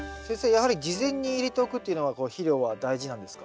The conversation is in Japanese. やはり事前に入れておくっていうのは肥料は大事なんですか？